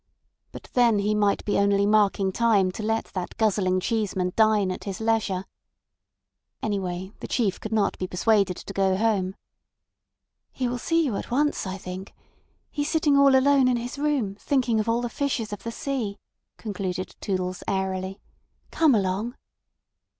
But then he might be only marking time to let that guzzling Cheeseman dine at his leisure. Anyway, the Chief could not be persuaded to go home. "He will see you at once, I think. He's sitting all alone in his room thinking of all the fishes of the sea," concluded Toodles airily. "Come along."